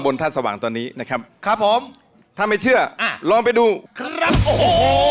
ท่านสว่างตอนนี้นะครับครับผมถ้าไม่เชื่ออ่าลองไปดูครับโอ้โห